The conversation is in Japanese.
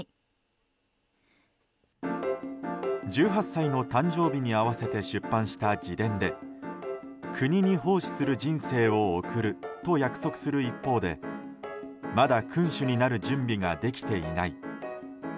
１８歳の誕生日に合わせて出版した自伝で国に奉仕する人生を送ると約束する一方でまだ君主になる準備ができていない。